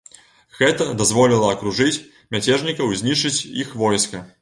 Гэта дазволіла акружыць мяцежнікаў і знішчыць іх войска.